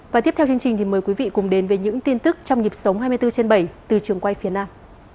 và tiếp theo chương trình thì mời quý vị cùng đến với những tin tức trong nhịp sống hai mươi bốn trên bảy từ trường quay phía nam